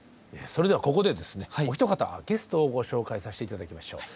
それではここでですねお一方ゲストをご紹介させて頂きましょう。